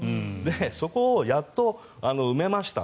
そこをやっと埋めました。